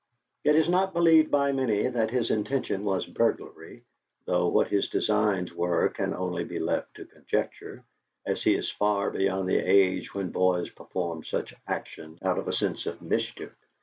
"It is not believed by many that his intention was burglary, though what his designs were can only be left to conjecture, as he is far beyond the age when boys perform such actions out of a sense of mischief.